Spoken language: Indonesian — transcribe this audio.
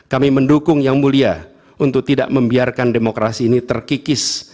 kami mendukung yang mulia untuk tidak membiarkan demokrasi ini terkikis